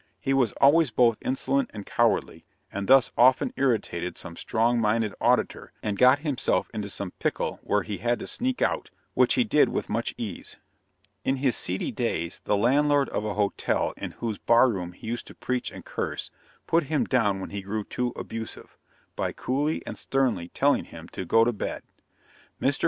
He was always both insolent and cowardly, and thus often irritated some strong minded auditor, and got himself into some pickle where he had to sneak out, which he did with much ease. In his seedy days the landlord of a hotel in whose bar room he used to preach and curse, put him down when he grew too abusive, by coolly and sternly telling him to go to bed. Mr.